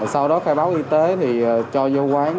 sau đó khai báo y tế thì cho vô quán